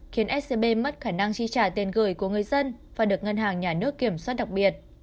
khiến scb mất khả năng chi trả tiền gửi của người dân và được ngân hàng nhà nước kiểm soát đặc biệt